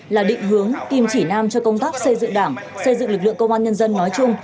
là định hướng kim chỉ nam cho công tác xây dựng đảng xây dựng lực lượng công an nhân dân nói chung